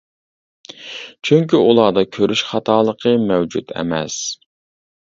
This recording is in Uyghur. چۈنكى ئۇلاردا كۆرۈش خاتالىقى مەۋجۇت ئەمەس.